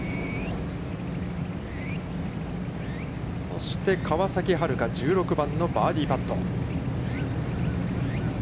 そして川崎春花、１６番のバーディーパット。